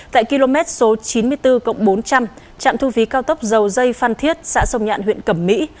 tại km số chín mươi bốn bốn trăm linh trạm thu phí cao tốc dầu dây phan thiết xã sông nhạn huyện cẩm mỹ